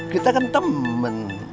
kita kan temen